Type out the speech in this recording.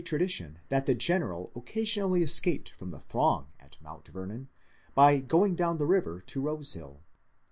tradition that the General occasionally escaped from the throng at Mount Ver non by going down the river to ^^ Bose Hill."